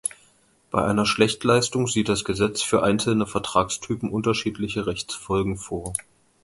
Bei einer Schlechtleistung sieht das Gesetz für einzelne Vertragstypen unterschiedliche Rechtsfolgen vor.